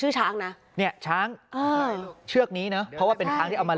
ช้างนะเนี่ยช้างอ่าเชือกนี้เนอะเพราะว่าเป็นช้างที่เอามา